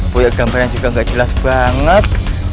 boleh gambarnya juga gak jelas banget